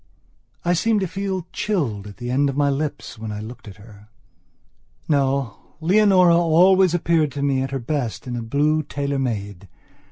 I seemed to feel chilled at the end of my lips when I looked at her... No, Leonora always appeared to me at her best in a blue tailor made.